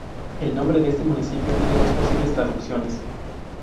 El nombre de este municipio tiene dos posibles traducciones.